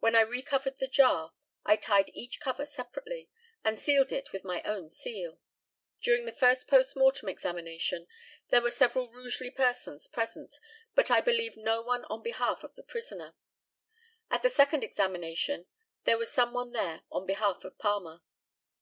When I re covered the jar, I tied each cover separately, and sealed it with my own seal. During the first post mortem examination there were several Rugeley persons present, but I believe no one on behalf of the prisoner. At the second examination there was some one there on behalf of Palmer.